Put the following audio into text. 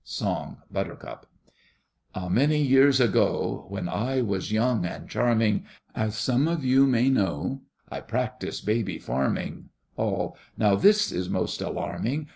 SONG—BUTTERCUP A many years ago, When I was young and charming, As some of you may know, I practised baby farming. ALL. Now this is most alarming!